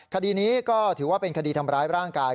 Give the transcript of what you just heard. คดีนี้ก็ถือว่าเป็นคดีทำร้ายร่างกาย